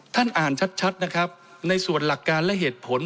ท่านอ่านชัดนะครับในส่วนหลักการและเหตุผล